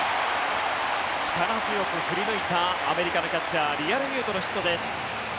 力強く振り抜いたアメリカのキャッチャーリアルミュートのヒットです。